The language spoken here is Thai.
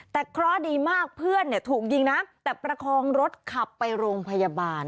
แต่เคราะห์ดีมากเพื่อนถูกยิงนะแต่ประคองรถขับไปโรงพยาบาล